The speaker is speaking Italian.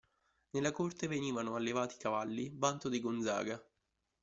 Nella corte venivano allevati i cavalli, vanto dei Gonzaga.